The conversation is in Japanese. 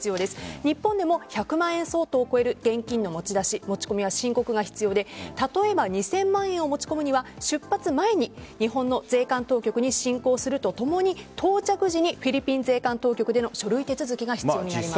日本でも１００万円相当を超える現金の持ち出し持ち込みは申告が必要で例えば２０００万円を持ち込むには、出発前に日本の税関当局に申告するとともに到着時にフィリピン税関当局での書類手続きが必要になります。